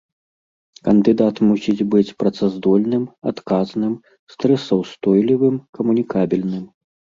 Кандыдат мусіць быць працаздольным, адказным, стрэсаўстойлівым, камунікабельным.